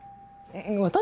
私？